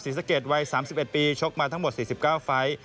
สะเกดวัย๓๑ปีชกมาทั้งหมด๔๙ไฟล์